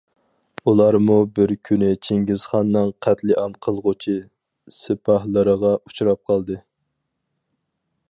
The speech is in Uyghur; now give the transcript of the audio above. ئۇلارمۇ بىر كۈنى چىڭگىزخاننىڭ قەتلىئام قىلغۇچى سىپاھلىرىغا ئۇچراپ قالدى.